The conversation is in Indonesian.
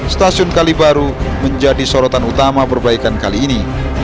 stasiun kali baru menjadi sorotan utama perbaikan kali ini